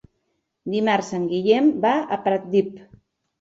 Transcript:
Dimarts en Guillem va a Pratdip.